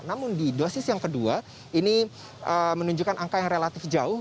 namun di dosis yang kedua ini menunjukkan angka yang relatif jauh